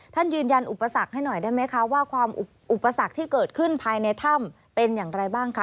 ท่านยืนยันอุปสรรคให้หน่อยได้ไหมคะว่าความอุปสรรคที่เกิดขึ้นภายในถ้ำเป็นอย่างไรบ้างคะ